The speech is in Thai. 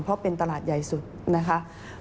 ประกอบกับต้นทุนหลักที่เพิ่มขึ้น